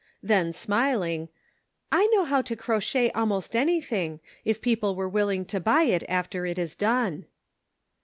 Then, smiling, " I know how to crochet almost anything, if people were willing to buy it after it is done."